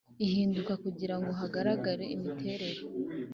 Ibihinduka kugira ngo hagaragare imiterere